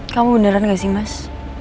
kamu beneran gak sih mas